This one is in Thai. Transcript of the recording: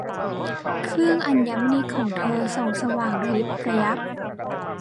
เครื่องอัญมณีของเธอส่องสว่างระยิบระยับ